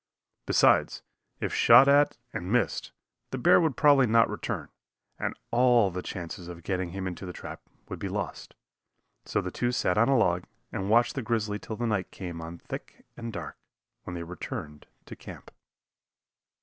Besides, if shot at and missed, the bear would probably not return, and all the chances of getting him into the trap would be lost. So the two sat on a log and watched the grizzly till the night came on thick and dark, when they returned to camp.